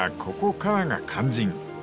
ここからが肝心］